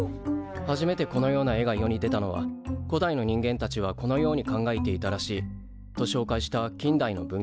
初めてこのような絵が世に出たのは「古代の人間たちはこのように考えていたらしい」と紹介した近代の文献で。